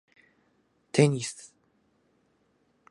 テニス